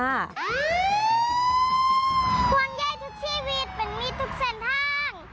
ห่วงใยทุกชีวิตเป็นมีดทุกเส้นทาง